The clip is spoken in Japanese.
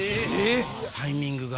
タイミングが。